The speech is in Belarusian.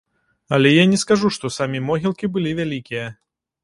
Але я не скажу што самі могілкі былі вялікія.